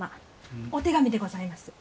お手紙でございます。